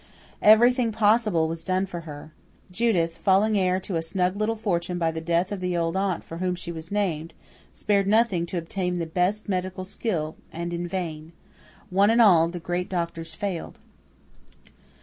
Everything possible was done for her. Judith, falling heir to a snug little fortune by the death of the old aunt for whom she was named, spared nothing to obtain the best medical skill, and in vain. One and all, the great doctors failed.